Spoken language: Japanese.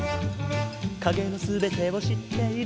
「影の全てを知っている」